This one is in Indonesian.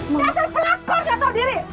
dasar pelakor gak tau diri